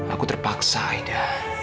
aku terpaksa aida